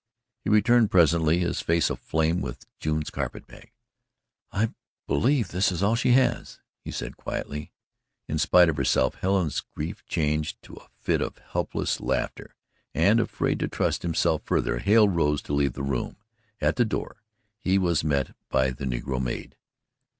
He returned presently his face aflame with June's carpet bag. "I believe this is all she has," he said quietly. In spite of herself Helen's grief changed to a fit of helpless laughter and, afraid to trust himself further, Hale rose to leave the room. At the door he was met by the negro maid.